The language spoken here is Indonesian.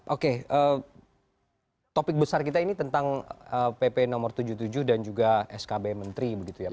oke topik besar kita ini tentang pp no tujuh puluh tujuh dan juga skb menteri begitu ya pak